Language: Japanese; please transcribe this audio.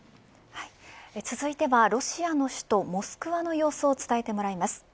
続いては、ロシアの首都モスクワの様子を伝えてもらいます。